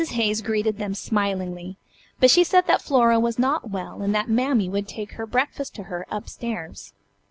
Hayes greeted them smilingly, but she said that Flora was not well and that Mammy would take her breakfast to her up stairs.